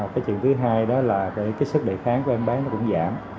cái chuyện thứ hai đó là cái sức đề kháng của em bé nó cũng giảm